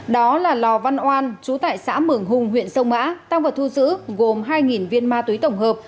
đó là lò văn oan chú tại xã mường hùng huyện sông mã tăng vật thu giữ gồm hai viên ma túy tổng hợp